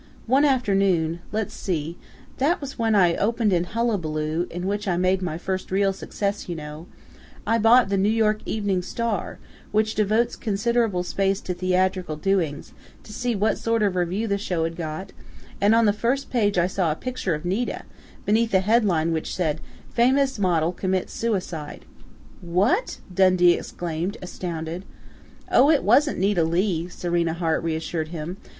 One afternoon let's see, that was when I opened in 'Hullabaloo,' in which I made my first real success, you know I bought The New York Evening Star, which devotes considerable space to theatrical doings, to see what sort of review the show had got, and on the first page I saw a picture of Nita, beneath a headline which said, 'Famous Model Commits Suicide' " "What!" Dundee exclaimed, astounded. "Oh, it wasn't Nita Leigh," Serena Hart reassured him.